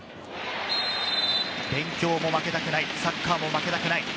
勉強も負けたくない、サッカーも負けたくない。